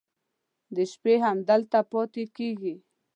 د شپې هم دلته پاتې کېږي.